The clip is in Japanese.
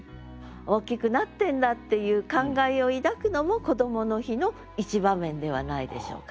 大きくなってんだっていう感慨を抱くのもこどもの日の一場面ではないでしょうかと。